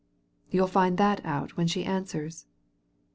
" You'll find that out when she answers."